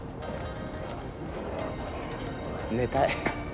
寝たい。